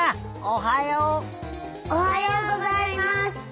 おはようございます。